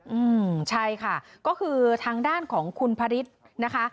อืมใช่ค่ะก็คือทางด้านของคุณพระฤทธิ์นะคะ